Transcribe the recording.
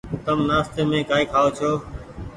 تم نآستي مين ڪآئي کآئو ڇو۔